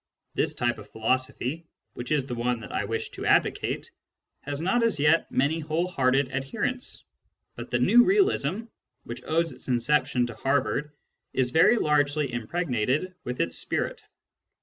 This type of philosophy, which is the one that I wish to advocate, has not as yet many whole hearted adherents, but the " new realism " which owes its inception to Harvard is very largely impregnated with its spirit.